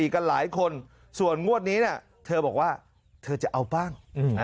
กันหลายคนส่วนงวดนี้เธอบอกว่าเธอจะเอาบ้าง